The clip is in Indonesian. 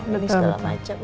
dan segala macem